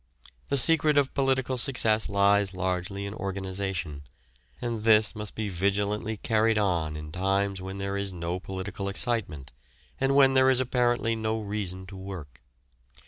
The secret of political success lies largely in organisation, and this must be vigilantly carried on in times when there is no political excitement, and when there is apparently no reason to work.